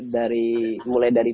dari mulai dari